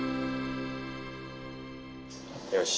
よし。